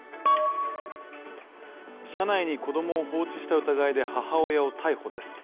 車内に子供を放置した疑いで母親を逮捕です。